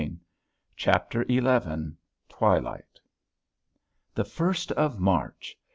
CHAPTER XI TWILIGHT The first of March!